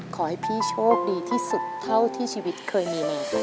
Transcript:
ขอให้พี่โชคดีที่สุดเท่าที่ชีวิตเคยมีมา